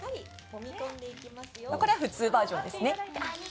これは普通バージョンですね。